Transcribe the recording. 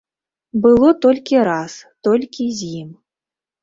Было толькі раз, толькі з ім.